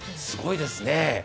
すごいですね。